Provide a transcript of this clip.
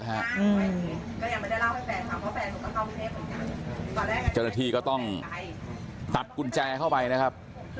เจ้าหน้าที่ก็ต้องตัดกุญแจเข้าไปนะครับ